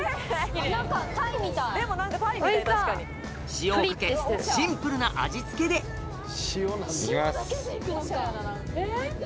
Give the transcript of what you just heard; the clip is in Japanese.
塩をかけシンプルな味付けでいきます。